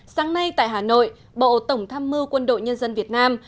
sáng nay tại hà nội bộ tổng tham mưu quân đội nhân dân việt nam